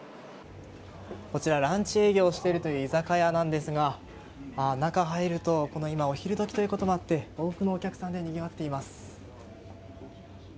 ランチ営業しているという居酒屋なんですが中に入ると今お昼時ということもあって多くのお客さんでにぎわっています。